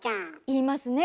いいますね。